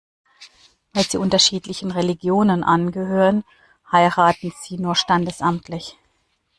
Weil sie unterschiedlichen Religionen angehören, heiraten sie nur standesamtlich.